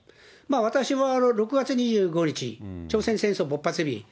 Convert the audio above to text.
私は６月２５日、朝鮮戦争勃発日。